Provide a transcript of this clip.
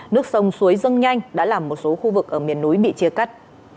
nước sông suối dâng nhanh đã làm một số khu vực ở miền núi bị chia cắt